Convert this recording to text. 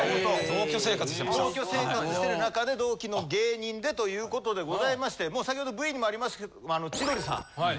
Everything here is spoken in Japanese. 同居生活してる中で同期の芸人でということでございまして先ほどＶにもありましたけど。